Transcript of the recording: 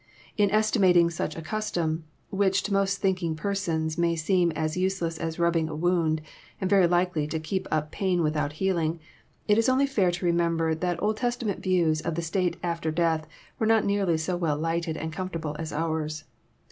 In estimating such a. custom, which to most thinking persons may seem as useless as rubbing a wound, and very likely to keep up pain without healing, it is only fair to remember that Old Testament views of the state after death were not nearly so well lighted and comfortable as oui*s.